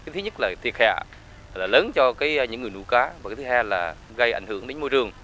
thứ nhất là thiệt hại lớn cho những người nuôi cá và thứ hai là gây ảnh hưởng đến môi trường